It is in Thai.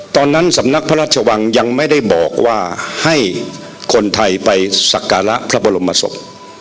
ตอนนั้นสำนักพระราชวังยังไม่ได้บอกว่าให้คนไทยไปสักการะพระบรมศพ